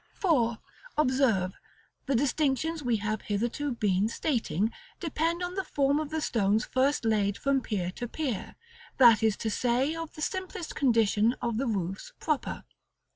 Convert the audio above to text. § XC. For, observe, the distinctions we have hitherto been stating, depend on the form of the stones first laid from pier to pier; that is to say, of the simplest condition of roofs proper.